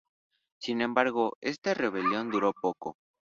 Sin embargo esta rebelión duró poco.